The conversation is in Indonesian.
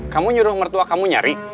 kamu nyuruh mertua kamu nyari